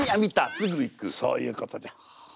そういうことじゃ。はあ。